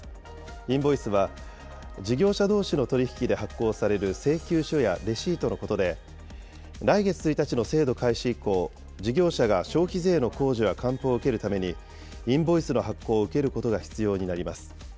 インボイスは事業者どうしの取り引きで発行される請求書やレシートのことで、来月１日の制度開始以降、事業者が消費税の控除や還付を受けるために、インボイスの発行を受けることが必要になります。